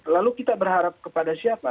lalu kita berharap kepada siapa